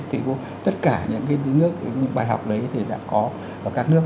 thì tất cả những cái nước những bài học đấy thì đã có ở các nước